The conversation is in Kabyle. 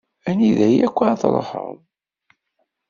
Anida akk-a ara truḥeḍ?